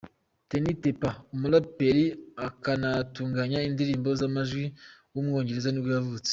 Tinie Tempah, umuraperi akanatunganya indirimbo z’amajwi w’umwongereza nibwo yavutse.